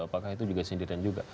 apakah itu juga sindiran juga